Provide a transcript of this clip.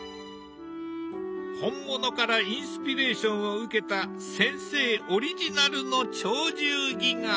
本物からインスピレーションを受けた先生オリジナルの「鳥獣戯画」。